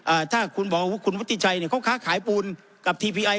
อ่าถ้าคุณบอกว่าคุณวุฒิชัยเนี่ยเขาค้าขายปูนกับทีพีไอ